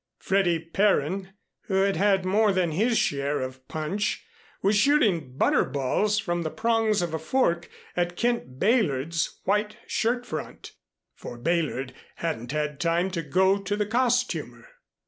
Freddy Perrine, who had had more than his share of punch, was shooting butter balls from the prongs of a fork at Kent Beylard's white shirt front, for Beylard hadn't had time to go to the costumer.